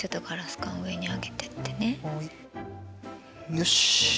よし！